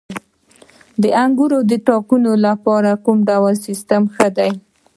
د انګورو د تاکونو لپاره کوم ډول سیستم ښه دی؟